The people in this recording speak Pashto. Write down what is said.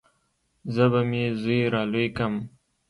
زه به مې زوى رالوى کم.